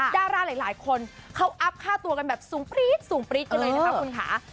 ดาราหลายคนเขาอัพค่าตัวกันแบบสูงปรี๊ดสูงปรี๊ดกันเลยนะคะคุณค่ะ